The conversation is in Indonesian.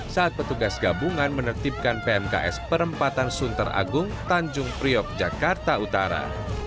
saat petugas gabungan menertibkan pmks perempatan sunter agung tanjung priok jakarta utara